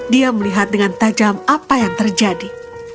dia melihat dengan tajam apa yang terjadi